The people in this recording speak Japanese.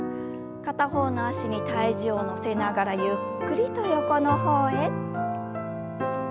片方の脚に体重を乗せながらゆっくりと横の方へ。